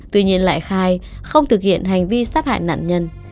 tuy nhiên lại khai không thực hiện hành vi sát hại nạn nhân